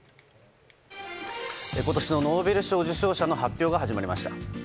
今年のノーベル賞受賞者の発表が始まりました。